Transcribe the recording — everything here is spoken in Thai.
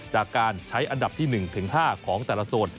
จากการใช้อันดับที่๑๕ของแต่ละโซน